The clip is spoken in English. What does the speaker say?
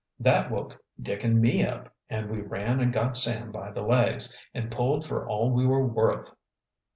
"That woke Dick and me up, and we ran and got Sam by the legs, and pulled for all we were worth."